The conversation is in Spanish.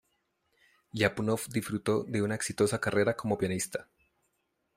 Liapunov disfrutó de una exitosa carrera como pianista.